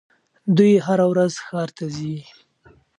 دوی هره ورځ ښار ته ځي.